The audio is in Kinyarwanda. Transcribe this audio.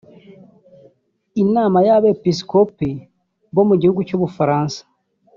Inama y’Abepisikopi bo mu gihugu cy’u Bufaransa